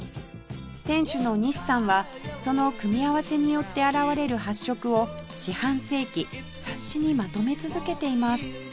店主の西さんはその組み合わせによって現れる発色を四半世紀冊子にまとめ続けています